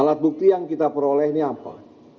alat bukti yang kita peroleh ini apa